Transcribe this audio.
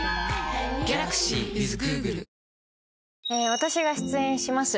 私が出演します